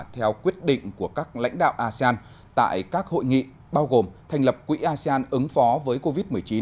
theo quyết định của các lãnh đạo asean tại các hội nghị bao gồm thành lập quỹ asean ứng phó với covid một mươi chín